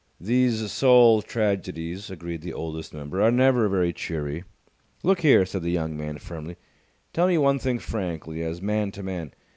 "These soul tragedies," agreed the Oldest Member, "are never very cheery." "Look here," said the young man, firmly, "tell me one thing frankly, as man to man.